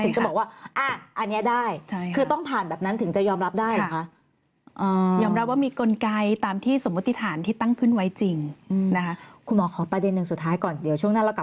ถึงจะบอกว่าอันนี้ได้คือต้องผ่านแบบนั้นถึงจะยอมรับได้หรือคะ